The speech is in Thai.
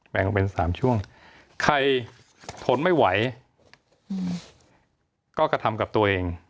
ออกเป็น๓ช่วงใครทนไม่ไหวก็กระทำกับตัวเอง